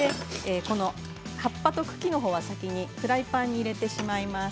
葉っぱと茎のほうは先にフライパンに入れてしまいます。